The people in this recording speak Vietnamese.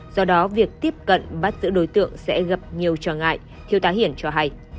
do đó việc tiếp cận bắt giữ đối tượng sẽ gặp nhiều trở ngại thiếu tá hiển cho hay